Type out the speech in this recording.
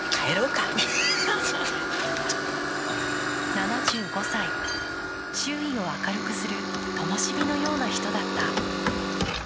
７５歳、周囲を明るくするともしびのような人だった。